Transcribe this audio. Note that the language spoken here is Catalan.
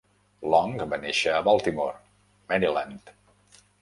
Long va néixer a Baltimore, Maryland.